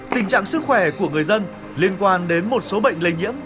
tình trạng sức khỏe của người dân liên quan đến một số bệnh lây nhiễm